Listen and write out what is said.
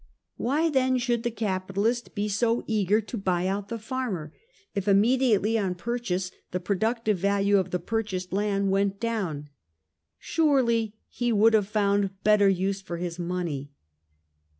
Why then should the capitalist he so eager to buy out the farmer, if immediately on purchase the productive value of the purchased land went down? Surely he would have found better use for his money.